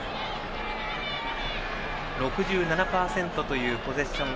６７％というポゼッション。